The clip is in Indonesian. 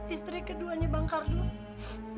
istri keduanya bang kardun